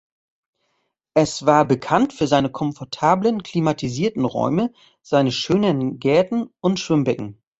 Es war bekannt für seine komfortablen, klimatisierten Räume, seine schönen Gärten und Schwimmbecken.